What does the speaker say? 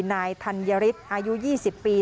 นายธัญฤษอายุ๒๐ปี